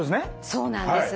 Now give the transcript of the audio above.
そうなんです！